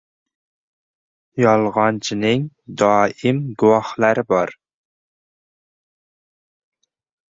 • Yolg‘onchining doim guvohlari bor.